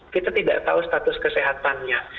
kita tidak tahu status kesehatannya